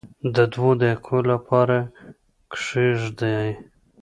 د دوو دقیقو لپاره یې کښېږدئ.